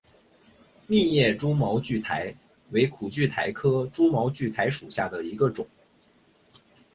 密叶蛛毛苣苔为苦苣苔科蛛毛苣苔属下的一个种。